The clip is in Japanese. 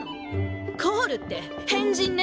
コールって変人ね。